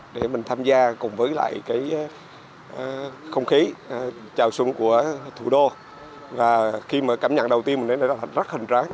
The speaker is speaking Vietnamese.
để mình tham gia cùng với lại cái không khí trào xuân của thủ đô và khi mà cảm nhận đầu tiên mình thấy là rất hình tráng